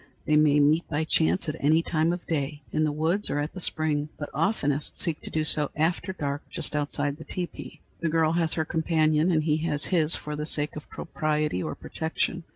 They may meet by chance at any time of day, in the woods or at the spring, but oftenest seek to do so after dark, just outside the teepee. The girl has her companion, and he has his, for the sake of propriety or protection.